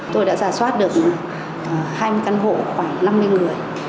tôi đã giả soát được hai mươi căn hộ khoảng năm mươi người